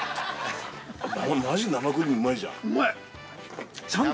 ◆マジ生クリーム、うまいじゃん。